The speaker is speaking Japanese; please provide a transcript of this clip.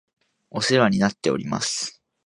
お世話になっております